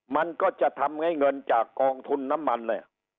มันก็จะทำให้เงินจากกองทุนน้ำมันเนี่ย